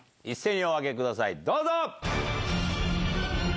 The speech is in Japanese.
一斉にお挙げくださいどうぞ。